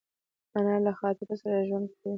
انا له خاطرو سره ژوند کوي